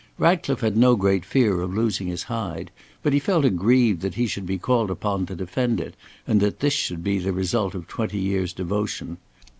Ratcliffe had no great fear of losing his hide, but he felt aggrieved that he should be called upon to defend it, and that this should be the result of twenty years' devotion.